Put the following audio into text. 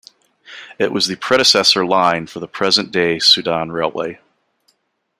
It was the predecessor line for the present-day Sudan Railway.